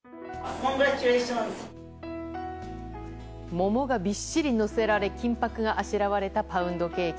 桃がびっしりのせられ金箔があしらわれたパウンドケーキ。